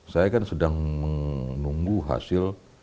saya kan sedang menunggu hasil